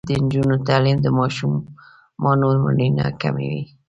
د نجونو تعلیم د ماشومانو مړینه کموي.